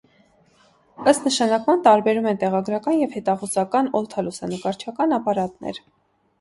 Ըստ նշանակման տարբերում են տեղագրական և հետախուզական օդալուսանկարչական ապարատներ։